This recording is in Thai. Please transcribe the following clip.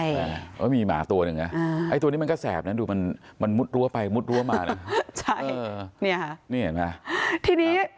ให้เพราะมีหมาตัวเนี้ยใช่ไหมให้ตัวมันกระแสบนั่นดูมันมุดรัวไปมุดตัวมาเนี่ยเนี่ยที่นี้